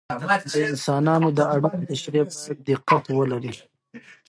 د انسانانو د اړیکو تشریح باید دقت ولري.